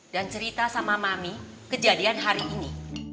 dan cerita sama mami kejadian hari ini